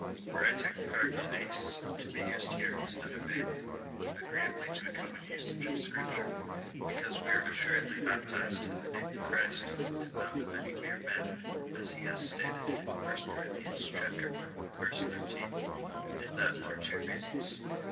For I take the particle et? to be used here instead of ev, agreeably to the common usage of Scripture, because we are assuredly baptized in the name of Christ, and not of any mere man, as he has stated in 1 Cor. i. 13, and that for two reasons.